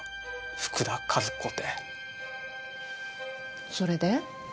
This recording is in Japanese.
福田和子てそれで？